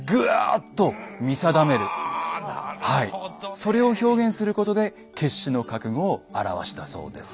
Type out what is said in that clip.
それを表現することで決死の覚悟を表したそうです。